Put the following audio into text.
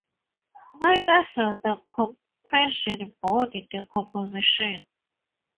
Neither has the compression-body decomposition.